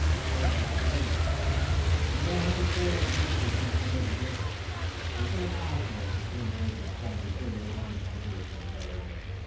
He fled like the wind, and we'll have to settle accounts with him some other day." "It was not possible for Tandakora to fall before your arms today," said Tayoga.